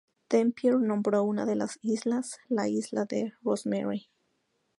Dampier nombró una de las islas, la isla de Rosemary.